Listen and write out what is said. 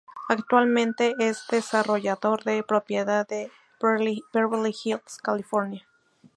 Actualmente, es desarrollador de propiedad en Beverly Hills, California.